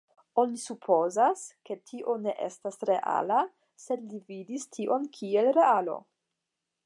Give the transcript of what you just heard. Oni supozas, ke tio ne estas reala, sed li vidis tion kiel realo.